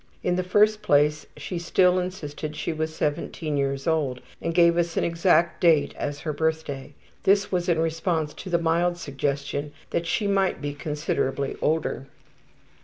In the first place she still insisted she was 17 years old and gave us an exact date as her birthday this was in response to the mild suggestion that she might be considerably older.